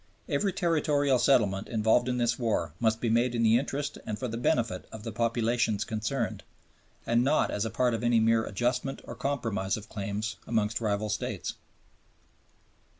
Every territorial settlement involved in this war must be made in the interest and for the benefit of the populations concerned, and not as a part of any mere adjustment or compromise of claims amongst rival States."